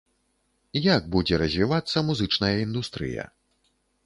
Як будзе развівацца музычная індустрыя?